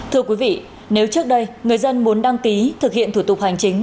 thưa quý vị nếu trước đây người dân muốn đăng ký thực hiện thủ tục hành chính